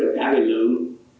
tức là cả người lượng